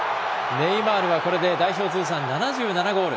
ネイマールはこれで代表通算７７ゴール。